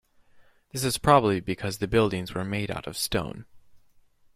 This is probably because the buildings were made out of stone.